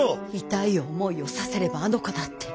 痛い思いをさせればあの子だって。